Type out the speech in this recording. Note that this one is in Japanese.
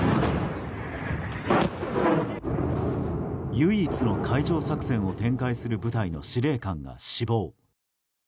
唯一の海上作戦を展開する部隊の司令官が死亡。